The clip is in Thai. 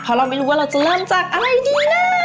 เพราะเราไม่รู้ว่าเราจะเริ่มจากอะไรดีนะ